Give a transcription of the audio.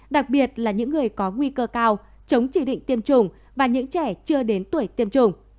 đặc biệt là những người có nguy cơ cao chống chỉ định tiêm chủng và những trẻ chưa đến tuổi tiêm chủng